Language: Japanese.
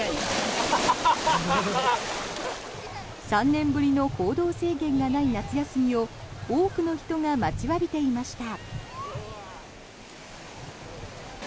３年ぶりの行動制限がない夏休みを多くの人が待ちわびていました。